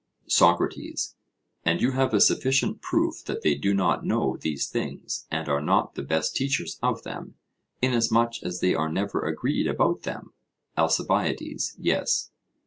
SOCRATES: And you have a sufficient proof that they do not know these things and are not the best teachers of them, inasmuch as they are never agreed about them? ALCIBIADES: Yes.